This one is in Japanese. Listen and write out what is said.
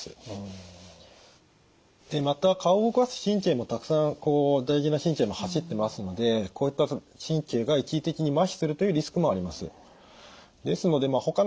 でまた顔を動かす神経もたくさん大事な神経が走ってますのでこういった神経が一時的にまひするというリスクもあります。